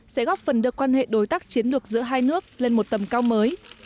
sẽ góp phần đưa quan hệ đối tác chiến lược giữa hai nước lên một tầm cao mới